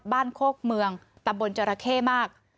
โคกเมืองตำบลจราเข้มาก